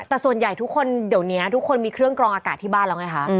แต่ส่วนใหญ่ทุกคนเดี๋ยวนี้ทุกคนมีเครื่องกรองอากาศที่บ้านแล้วไงคะ